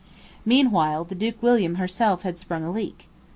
Meanwhile the Duke William herself had sprung a leak.